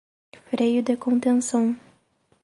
Freio de contenção